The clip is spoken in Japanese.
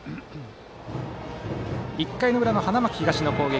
１回の裏の花巻東の攻撃。